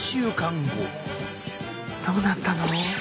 どうなったの？